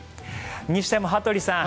にしても羽鳥さん